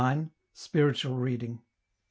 Spiritual Reading. II.